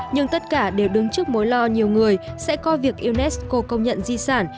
nhưng tất cả đều đứng trước mối lo nhiều người sẽ coi việc unesco công nhận di sản